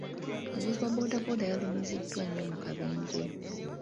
Omuvuzi wa bood booda yalumiziddwa nnyo mu kabenje.